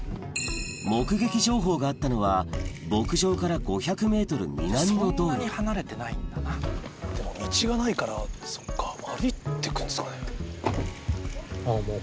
目撃情報があったのは牧場から５００ｍ南の道路でも道がないからそっか歩いて行くんですかね？